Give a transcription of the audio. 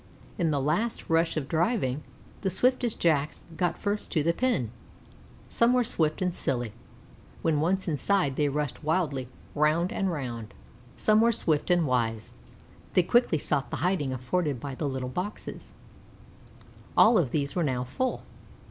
In the last rush of driving, the swiftest Jacks got first to the pen. Some were swift and silly; when once inside they rushed wildly round and round. Some were swift and wise; they quickly sought the hiding afforded by the little boxes; all of these were now full.